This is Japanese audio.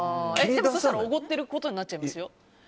おごってることになっちゃいますよ。